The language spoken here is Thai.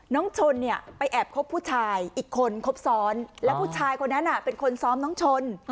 น้องชนเนี่ยไปแอบคบผู้ชายอีกคนครบซ้อนแล้วผู้ชายคนนั้นเป็นคนซ้อมน้องชน